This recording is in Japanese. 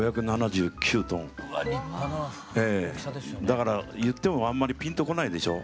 だから言ってもあんまりピンと来ないでしょ？